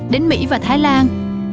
đến mỹ và thái lan